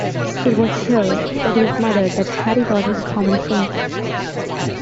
It was here, said his mother, that Harry got his common sense.